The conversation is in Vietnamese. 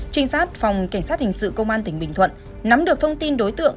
trinh sát phòng cảnh sát hình sự công an tỉnh bình thuận nắm được thông tin đối tượng